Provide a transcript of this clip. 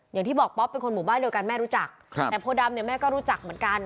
อย่างที่บอกป๊อปเป็นคนหมู่บ้านเดียวกันแม่รู้จักแต่โพดำเนี่ยแม่ก็รู้จักเหมือนกัน